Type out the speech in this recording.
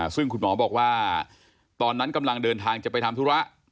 ซึ่งคุณหมอบอกว่าตอนนั้นกำลังเดินทางจะไปทำธุระ